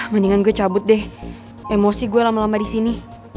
mendingan gue cabut deh emosi gue lama lama di sini